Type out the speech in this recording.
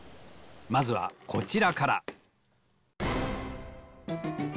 まずはこちらから。